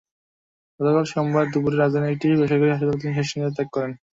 গতকাল সোমবার দুপুরে রাজধানীর একটি বেসরকারি হাসপাতালে তিনি শেষনিশ্বাস ত্যাগ করেন।